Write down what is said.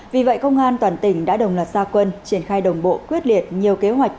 vì vậy công an toàn tỉnh đã đồng loạt gia quân triển khai đồng bộ quyết liệt nhiều kế hoạch